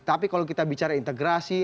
tapi kalau kita bicara integrasi